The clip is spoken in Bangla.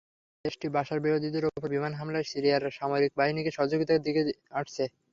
দেশটি বাশারবিরোধীদের ওপর বিমান হামলায় সিরিয়ার সামরিক বাহিনীকে সহযোগিতা দিয়ে আসছে।